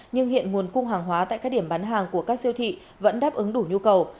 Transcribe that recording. nhưng hiện nguồn cung hàng hóa tại các điểm bán hàng của các siêu thị vẫn đáp ứng đủ nhu cầu